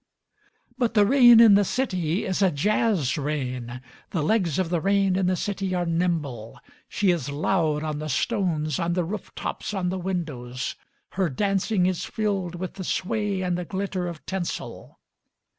But the rain in the city is a j azz rain : The legs of the rain in the city are nimble â Oscar fVilliams She is loud on the stones, on the roof tops, on the windows; Her dancing is filled with the sway and the glitter of tinsel.